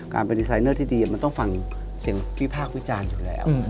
การเป็นดีไซน์เนอร์ที่ดีมันต้องฟังเสียงวิภาควิจารณ์อยู่แล้ว